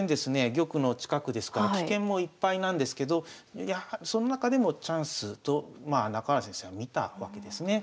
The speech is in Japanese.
玉の近くですから危険もいっぱいなんですけどその中でもチャンスと中原先生は見たわけですね。